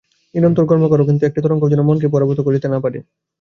নিরন্তর কর্ম কর, কিন্তু একটি তরঙ্গও যেন মনকে পরাভূত না করিতে পারে।